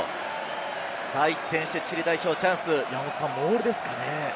一転してチリ代表チャンス、モールですかね。